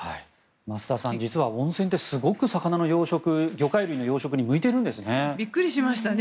増田さん実は温泉って、すごく魚の養殖魚介類の養殖に向いているんですね。